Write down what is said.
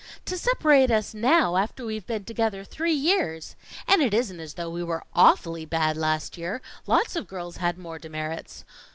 "To separate us now after we've been together three years " "And it isn't as though we were awfully bad last year. Lots of girls had more demerits."